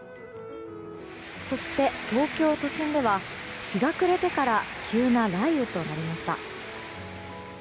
そして、東京都心では日が暮れてから急な雷雨となりました。